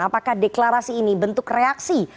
apakah deklarasi ini bentuk reaksi